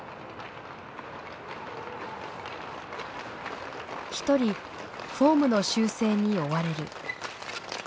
一人フォームの修正に追われる。